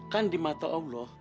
kan di mata allah